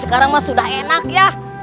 nyiro sekarang sudah enak ya